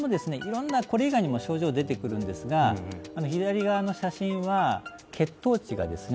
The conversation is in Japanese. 色んなこれ以外にも症状出てくるんですが左側の写真は血糖値がですね